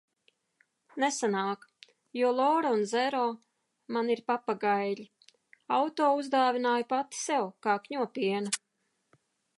Nesanāk, jo Lora un Zero man ir papagaiļi. Auto uzdāvināju pati sev, kā Kņopiene.